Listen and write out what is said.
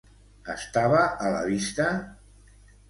Estava a la vista?